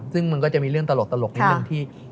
ซึ่งมันก็จะมีเรื่องตลกในเรื่องที่